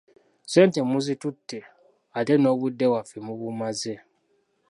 Ssente muzitutte, ate n'obudde bwaffe mubumaze.